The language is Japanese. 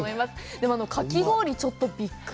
でも、かき氷、ちょっとびっくり。